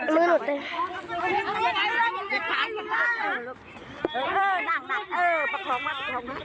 อุ๊ยถ่ายกับฉัน